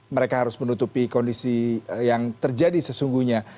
mereka harus menutupi kondisi yang terjadi sesungguhnya